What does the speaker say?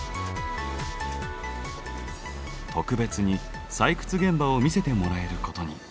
特別に採掘現場を見せてもらえることに。